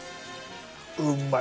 うんまい。